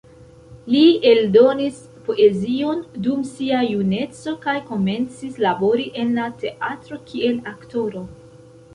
Li eldonis poezion dum sia juneco, kaj komencis labori en la teatro kiel aktoro.